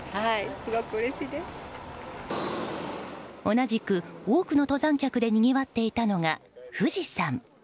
同じく多くの登山客でにぎわっていたのが富士山。